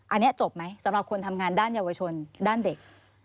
อันนี้จบไหมสำหรับคนทำงานด้านเยาวชนด้านเด็ก